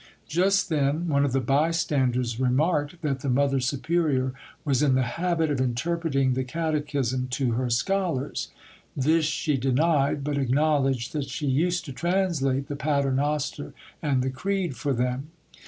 Just then one of the bystanders remarked that the mother superior was in the habit of interpreting the Catechism to her scholars. This she denied, but acknowledged that she used to translate the Paternoster and the Creed for them.